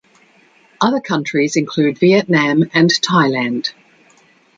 Other countries include Vietnam and Thailand.